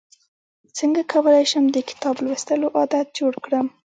څنګه کولی شم د کتاب لوستلو عادت جوړ کړم